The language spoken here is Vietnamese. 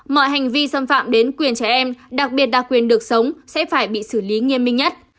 mọi hành vi xâm phạm đến quyền trẻ em đặc biệt là quyền được sống sẽ phải bị xử lý nghiêm minh nhất